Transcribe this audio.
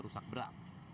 rumahnya rusak berat